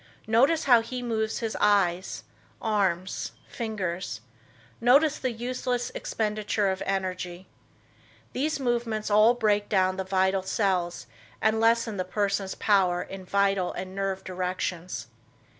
Notice how he moves his eyes, arms, fingers; notice the useless expenditure of energy. These movements all break down the vital cells and lessen the person's power in vital and nerve directions.